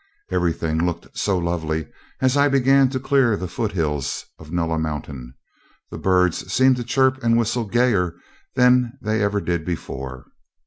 Everything looked so lovely as I began to clear the foot hills of Nulla Mountain. The birds seemed to chirp and whistle gayer than they ever did before.